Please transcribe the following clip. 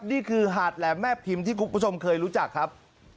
นี่คือหาดแหลมแม่พิมพ์ที่คุณผู้ชมเคยรู้จักครับ